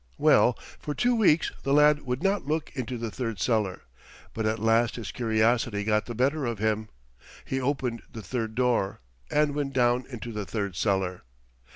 Well, for two weeks the lad would not look into the third cellar, but at last his curiosity got the better of him. He opened the third door and went down into the third cellar.